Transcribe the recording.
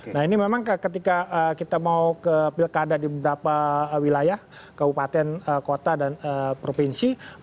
nah ini memang ketika kita mau ke pilkada di beberapa wilayah kabupaten kota dan provinsi